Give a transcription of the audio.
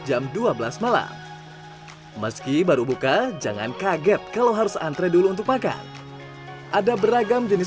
jam dua belas malam meski baru buka jangan kaget kalau harus antre dulu untuk makan ada beragam jenis